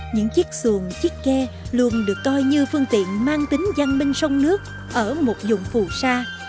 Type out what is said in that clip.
những chiếc xuồng chiếc ke luôn được coi như phương tiện mang tính văn minh sông nước ở một dùng phù sa